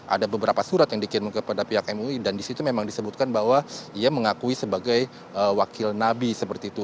ada beberapa surat yang dikirim kepada pihak mui dan disitu memang disebutkan bahwa ia mengakui sebagai wakil nabi seperti itu